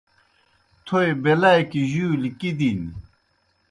تھوئے بیلاکیْ جُولیْ کِدِن۔